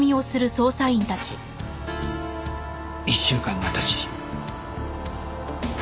１週間が経ち